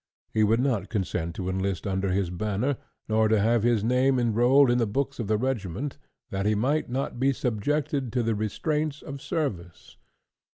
He would not consent to enlist under his banner, nor to have his name enrolled in the books of the regiment, that he might not be subjected to the restraints of service.